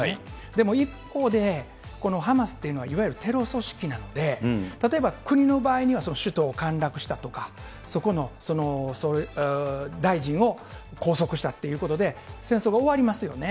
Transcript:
でも一方で、ハマスっていうのはいわゆるテロ組織なので、例えば国の場合には首都を陥落したとか、そこのその大臣を拘束したっていうことで、戦争が終わりますよね。